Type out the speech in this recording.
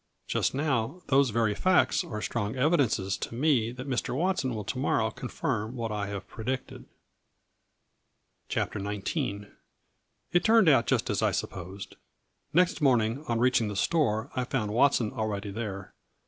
Just now, those very facts are strong evidences to me that Mr. Watson will to morrow confirm what I have predicted.' , A FLURRY IN DIAMONDS. 217 CHAPTER XIX. It turned out just as I supposed. Next morning, on reaching the store, I found Watson already there.